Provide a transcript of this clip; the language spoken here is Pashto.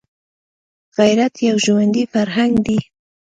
غیرت یو ژوندی فرهنګ دی